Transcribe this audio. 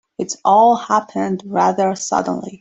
It all happened rather suddenly.